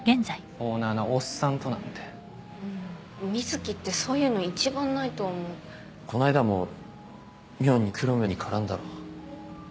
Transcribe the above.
オーナーのおっさんとなんてうん瑞貴ってそういうの一番ないと思うこないだも妙に黒目に絡んだろ？